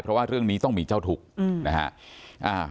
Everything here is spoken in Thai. เพราะว่าเรื่องนี้ต้องมีเจ้าทุกข์นะฮะ